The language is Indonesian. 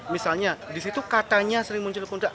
misalnya di situ katanya sering muncul pun enggak